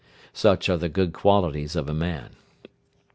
Such are the good qualities of a man.